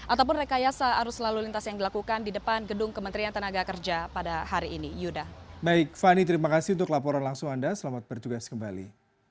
ataupun rekayasa arus lalu lintas yang dilakukan di depan gedung kementerian tenaga kerja pada hari ini